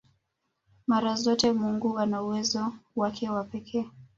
Mara zote Mungu ana uwezo wake wa pekee